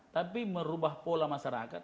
tapi merubah pola masyarakat